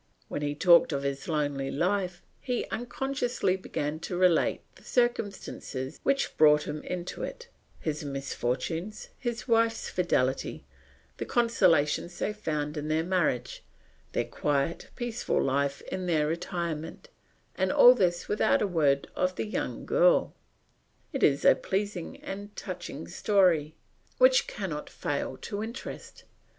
When he talked of his lonely life, he unconsciously began to relate the circumstances which brought him into it; his misfortunes, his wife's fidelity, the consolations they found in their marriage, their quiet, peaceful life in their retirement, and all this without a word of the young girl; it is a pleasing and a touching story, which cannot fail to interest.